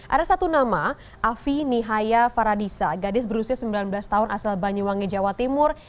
ada satu nama afi nihaya faradisa gadis berusia sembilan belas tahun asal banyuwangi jawa timur